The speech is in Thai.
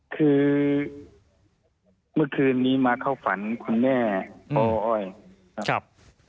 คือเมื่อคืนนี้มาเข้าฝันคุณแม่ปออ้อยครับ